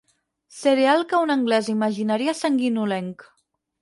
Cereal que un anglès imaginaria sanguinolenc.